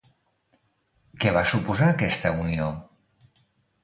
Què va suposar aquesta unió?